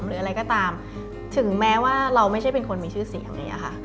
หรืออะไรก็ตามถึงแม้ว่าเราไม่ใช่เป็นคนมีชื่อเสียงอย่างนี้ค่ะ